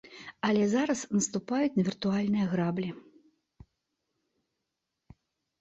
Але зараз наступаюць на віртуальныя граблі.